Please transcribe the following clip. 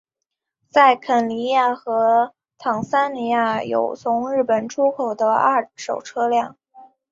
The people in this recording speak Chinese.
在肯尼亚和坦桑尼亚有从日本出口的二手车辆。